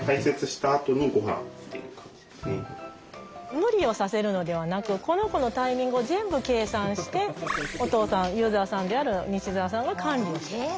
無理をさせるのではなくこの子のタイミングを全部計算してお父さんユーザーさんである西澤さんが管理をしている。